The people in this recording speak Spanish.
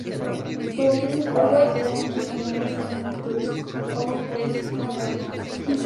Por ella circulan los trenes regionales que unen Tours o Blois con Orleans.